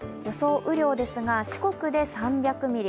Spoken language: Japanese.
雨量ですが、四国で３００ミリ